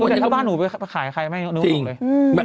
ถ้าบ้านหนูไปขายกับใครไม่ให้หนูรู้เลย